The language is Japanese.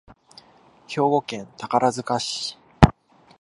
兵庫県宝塚市